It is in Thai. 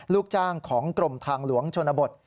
ลูกจ้างของกรมทางหลวงชนบท